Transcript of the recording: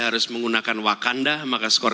harus menggunakan wakanda maka skor